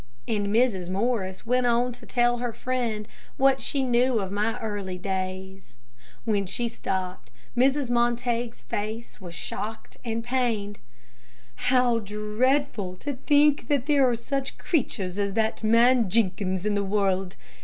And Mrs. Morris went on to tell her friend what she knew of my early days. When she stopped, Mrs. Montague's face was shocked and pained. "How dreadful to think that there are such creatures as that man Jenkins in the world.